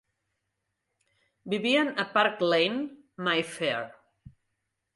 Vivien a Park Lane, Mayfair.